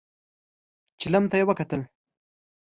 چيلم ته يې وکتل.